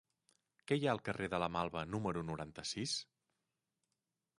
Què hi ha al carrer de la Malva número noranta-sis?